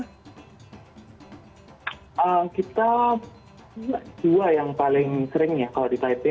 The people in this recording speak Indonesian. kita dua yang paling sering ya kalau di taipei